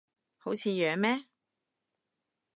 好似樣咩